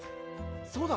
そうだ！